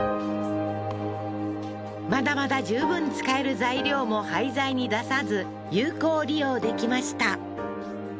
まだまだ十分使える材料も廃材に出さず有効利用できました